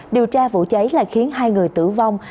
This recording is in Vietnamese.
điều tra vụ cháy là khiến hai người tử vong